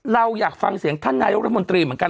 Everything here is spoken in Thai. เราอยากฟังเสียงท่านนายกรัฐมนตรีเหมือนกัน